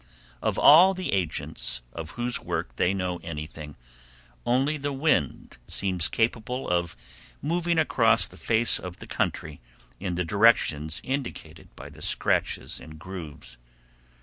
Of all the agents of whose work they know anything, only the wind seems capable of moving across the face of the country in the directions indicated by the scratches and grooves.